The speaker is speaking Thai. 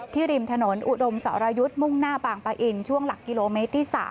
ริมถนนอุดมสรยุทธ์มุ่งหน้าบางปะอินช่วงหลักกิโลเมตรที่๓